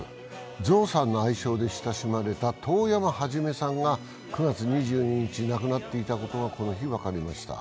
ゾウさんの愛称で親しまれた遠山一さんが９月２２日亡くなっていたことがこの日、分かりました。